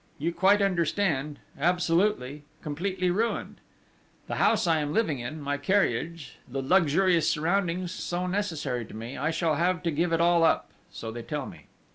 You quite understand absolutely, completely ruined._ _The house I am living in, my carriage, the luxurious surroundings so necessary to me, I shall have to give it all up, so they tell me.